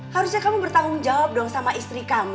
harusnya kamu bertanggung jawab dong sama istri kamu